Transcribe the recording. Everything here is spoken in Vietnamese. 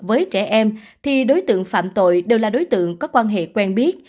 với trẻ em thì đối tượng phạm tội đều là đối tượng có quan hệ quen biết